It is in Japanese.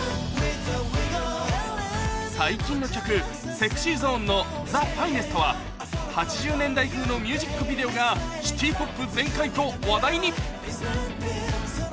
最近の曲 ＳｅｘｙＺｏｎｅ の『ＴＨＥＦＩＮＥＳＴ』は８０年代風のミュージックビデオがシティポップ全開と話題に